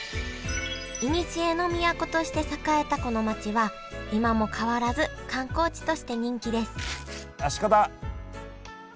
いにしえの都として栄えたこの町は今も変わらず観光地として人気ですあっ鹿だ！